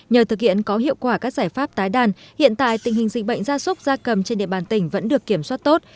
nhờ thực hiện có hiệu quả các giải pháp tái đàn hiện tại tình hình dịch bệnh gia súc gia cầm trên địa bàn tỉnh vẫn được kiểm soát tốt